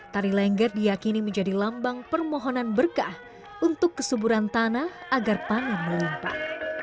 tari lengger diakini menjadi lambang permohonan berkah untuk kesuburan tanah agar pangan melimpah